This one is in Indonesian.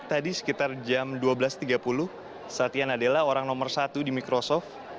tadi sekitar jam dua belas tiga puluh satya nadela orang nomor satu di microsoft